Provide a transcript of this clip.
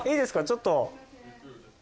ちょっと。